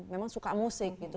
memang suka musik gitu